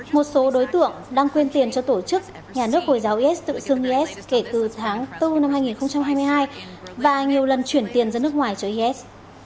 một số đối tượng đang quyên tiền cho tổ chức nhà nước hồi giáo is tự xưng is kể từ tháng bốn năm hai nghìn hai mươi hai và nhiều lần chuyển tiền ra nước ngoài cho is